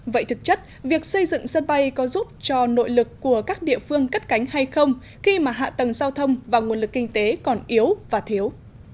vậy thực chất việc xây dựng sân bay có giúp cho nội lực của các địa phương cất cánh hay không khi mà hạ tầng giao thông và nguồn lực kinh tế còn yếu và thiếu